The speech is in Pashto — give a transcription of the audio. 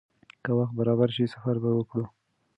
که وخت برابر شي، سفر به وکړو.